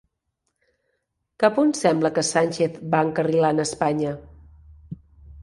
Cap on sembla que Sánchez va encarrilant Espanya?